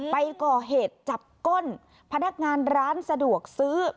ไปก่อเหตุจับก้นพนักงานร้านสะดวกซื้อ